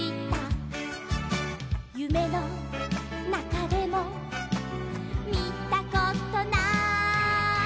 「ゆめのなかでもみたことない」